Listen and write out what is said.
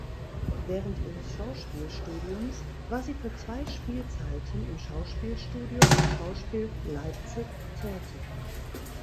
Während ihres Schauspielstudiums war sie für zwei Spielzeiten im Schauspielstudio am Schauspiel Leipzig tätig.